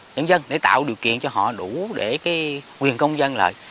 dân dân để tạo điều kiện cho họ đủ để quyền công dân lại